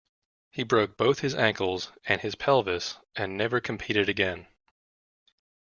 He broke both his ankles and his pelvis, and never competed again.